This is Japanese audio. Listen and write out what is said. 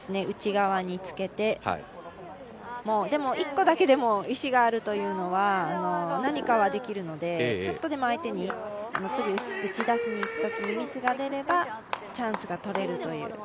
内側につけて、でも１個だけでも石があるというのは何かはできるので、ちょっとでも相手に打ち出しにいくときにミスが出れば、チャンスが取れるという。